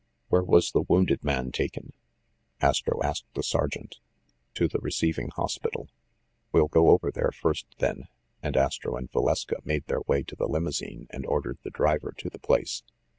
"Where was the wounded man taken ?" Astro asked the sergeant." "To the receiving hospital." 182 THE MASTER OF MYSTERIES "We'll go over there first, then." And Astro and Valeska made their way to the limousine and ordered the driver to the place.